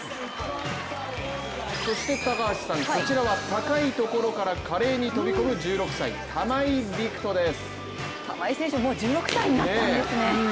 そして高橋さん、こちらは高いところから華麗に飛び込む１６歳玉井陸斗です。